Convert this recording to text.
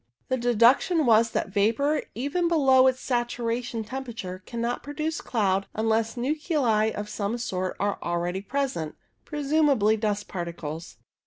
The deduction was that vapour, even below its saturation temperature, cannot pro duce cloud unless nuclei of some sort are already 92 CUMULUS present, presumably dust particles.